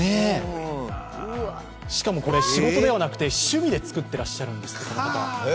しかも仕事ではなくて趣味で作ってらっしゃるんですって。